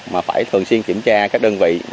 mà phải thường xuyên kiểm tra các đơn vị